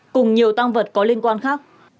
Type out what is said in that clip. cùng nhiều tăng vật có liên quan khác